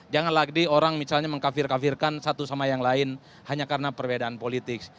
jangan lagi orang misalnya mengkafir kafirkan satu sama yang lain hanya karena perbedaan politik